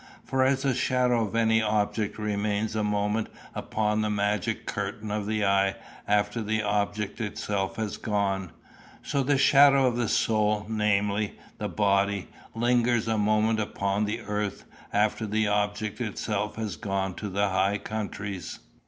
For as the shadow of any object remains a moment upon the magic curtain of the eye after the object itself has gone, so the shadow of the soul, namely, the body, lingers a moment upon the earth after the object itself has gone to the "high countries."